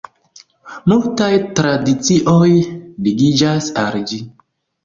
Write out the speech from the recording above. Multaj tradicioj ligiĝas al ĝi.